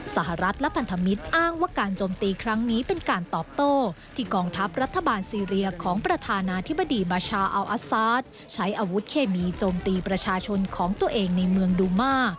สหรัฐและพันธมิตรอ้างว่าการจมตีครั้งนี้เป็นการตอบโต้ที่กองทัพรัฐบาลซีเรียของประธานาธิบดีบาชาอัลอัสซาสใช้อาวุธเคมีโจมตีประชาชนของตัวเองในเมืองดูมา